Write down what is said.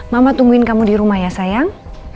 mama tungguin kamu di rumah ya sayang